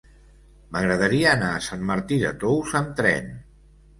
M'agradaria anar a Sant Martí de Tous amb tren.